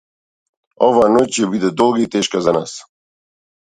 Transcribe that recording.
Оваа ноќ ке биде, долга и тешка за нас